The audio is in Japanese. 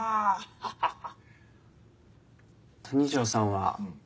ハハハハ。